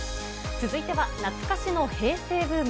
続いては懐かしの平成ブーム。